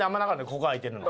ここ開いてるの。